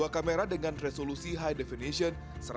tiga puluh dua kamera dengan resolusi high definition